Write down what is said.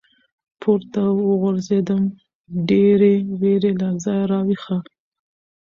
پـورتـه وغورځـېدم ، ډېـرې وېـرې له ځايـه راويـښه.